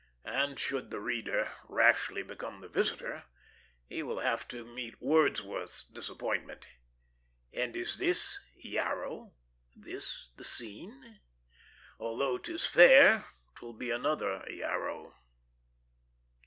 And should the reader rashly become the visitor, he will have to meet Wordsworth's disappointment. "And is this Yarrow? this the scene?" "Although 'tis fair, 'twill be another Yarrow."